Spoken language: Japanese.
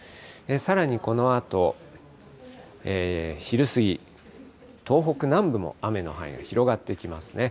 さらにこのあと昼過ぎ、東北南部も雨の範囲が広がってきますね。